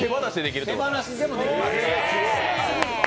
手放しでもできます。